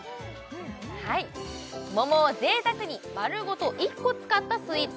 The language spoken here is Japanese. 桃を贅沢に丸ごと１個使ったスイーツ